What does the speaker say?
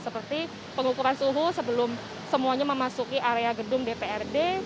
seperti pengukuran suhu sebelum semuanya memasuki area gedung dprd